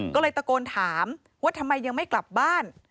ก็เลยตะโกนถามว่าทำไมยังไม่กลับบ้าน